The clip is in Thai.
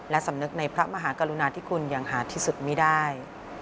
และสำนึกในพระมหากรุณาที่คุณอย่างหาดที่สุดไม่ได้